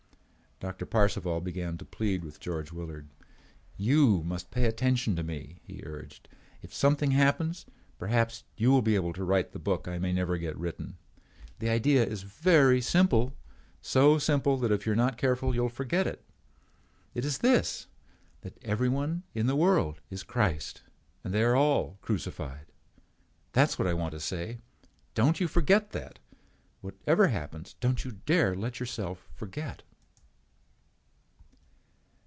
Doctor Parcival began to plead with George Willard. "You must pay attention to me," he urged. "If something happens perhaps you will be able to write the book that I may never get written. The idea is very simple, so simple that if you are not careful you will forget it. It is this—that everyone in the world is Christ and they are all crucified. That's what I want to say. Don't you forget that. Whatever happens, don't you dare let yourself forget."